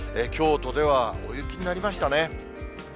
京都では大雪になりましたね。